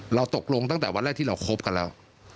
เราตกลงตั้งแต่วันแรกที่เราคบกันแล้ว